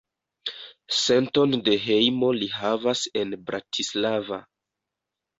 Senton de hejmo li havas en Bratislava.